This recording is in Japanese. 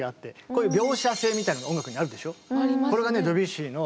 こういう描写性みたいのが音楽にあるでしょう。